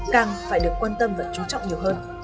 càng phải được quan tâm và chú trọng nhiều hơn